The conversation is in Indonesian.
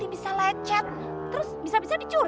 biarin punya cintu